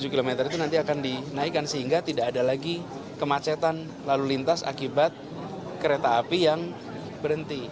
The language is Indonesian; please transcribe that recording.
tujuh km itu nanti akan dinaikkan sehingga tidak ada lagi kemacetan lalu lintas akibat kereta api yang berhenti